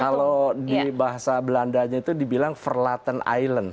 kalau di bahasa belandanya itu dibilang verlaten island